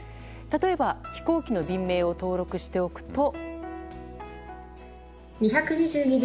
例えば、飛行機の便名を登録しておくと。